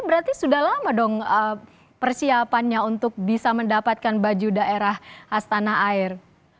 berarti sudah lama dong persiapannya untuk bisa mendapatkan baju daerah khas tanah air